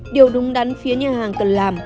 điều đúng đắn phía nhà hàng cần làm